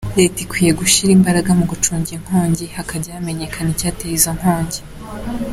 Leta ikwiye gushyira imbaraga mu gucunga inkongi hakajya hamenyekana icyateye izo nkongi.